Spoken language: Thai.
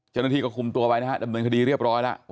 เจ้าหน้าที่ก็คุมตัวไปนะฮะดำเนินคดีเรียบร้อยแล้ว